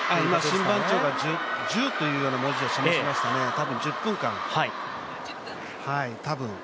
審判が１０というような文字を示しましたね、多分１０分間、多分。